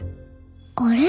あれ？